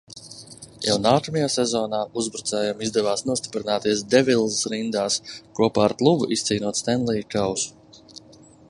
"Jau nākamajā sezonā uzbrucējam izdevās nostiprināties "Devils" rindās, kopā ar klubu izcīnot Stenlija kausu."